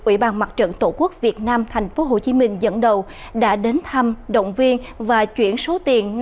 ủy ban mặt trận tổ quốc việt nam tp hcm dẫn đầu đã đến thăm động viên và chuyển số tiền